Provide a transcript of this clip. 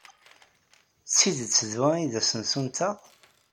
D tidet d wa ay d asensu-nteɣ?